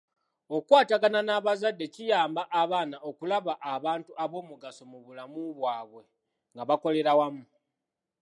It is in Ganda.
Okukwatagana n'abazadde kiyamba abaana okulaba abantu ab'omugaso mu bulamu bwabwe nga bakolera wamu.